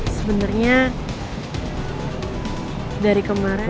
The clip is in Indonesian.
sebenernya dari kemarin